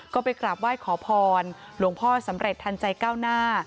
ก็ไปกราบไหว้ขอพรหลวงพ่อสำเร็จทันใจก้าวหน้า